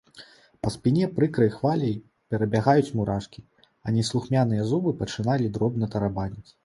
Па спіне прыкрай хваляй перабягаюць мурашкі, а неслухмяныя зубы пачыналі дробна тарабаніць.